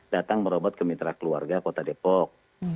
datang merobot ke mitra keluarga kota depok